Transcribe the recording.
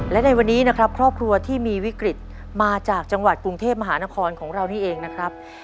และในวันนี้นะครับครอบครัวที่มีวิกฤตมาจากจังหวัดกรุงเทพมหานครของเรานี่เองนะครับ